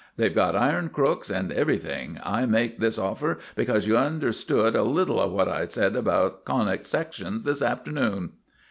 They've got iron crooks and everything. I make this offer because you understood a little of what I said about Conic Sections this afternoon."